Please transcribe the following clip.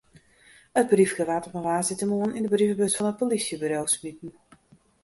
It briefke waard op in woansdeitemoarn yn de brievebus fan it polysjeburo smiten.